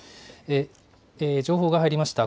情報が入りました。